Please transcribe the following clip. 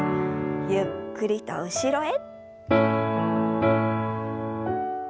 ゆっくりと後ろへ。